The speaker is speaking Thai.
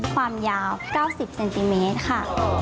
ความยาว๙๐เซนติเมตรค่ะ